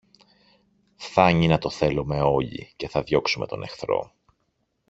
Φθάνει να το θέλομε όλοι, και θα διώξουμε τον εχθρό.